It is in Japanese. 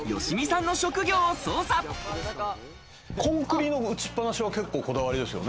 コンクリの打ちっぱなしは結構こだわりですよね。